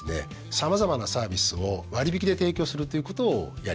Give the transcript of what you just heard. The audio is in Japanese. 様々なサービスを割引で提供するということをやります。